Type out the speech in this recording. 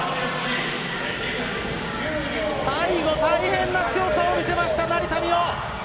最後、大変な強さを見せました成田実生！